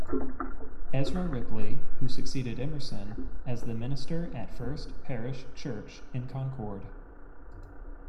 Ezra Ripley, who succeeded Emerson as the minister at First Parish Church in Concord.